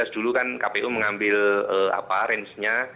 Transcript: dua ribu empat belas dulu kan kpu mengambil rangenya